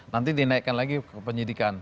nanti dinaikkan lagi ke penyidikan